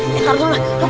hei taruh dulu